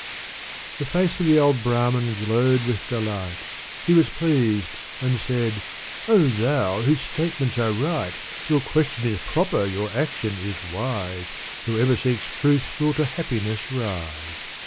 " The face of the old Brahmin glowed with delight ; He was pleased and said, " Oh, thou whose statements are right ! Your question is proper, your action is wise — Whoever seeks truth will to happiness rise.